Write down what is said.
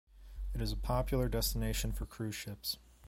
It is a popular destination for cruise ships.